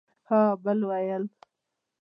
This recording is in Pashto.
ها بل ويل